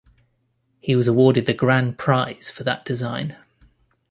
He was awarded the Grand Prize for that design.